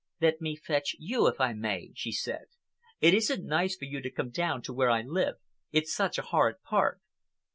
"Let me fetch you, if I may," she said. "It isn't nice for you to come down to where I live. It's such a horrid part."